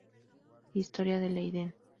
Historia de Leiden.